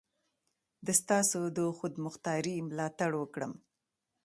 د ستاسو د خودمختاري ملاتړ وکړم.